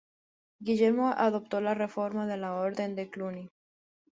Guillermo adoptó la reforma de la Orden de Cluny.